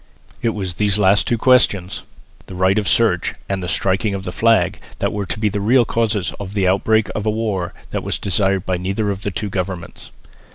It was these last two questions, the right of search and the striking of the flag, that were to be the real causes of the outbreak of a war that was desired by neither of the two governments.